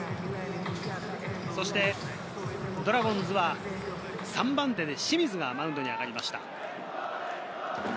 ドラゴンズは３番手で清水がマウンドに上がりました。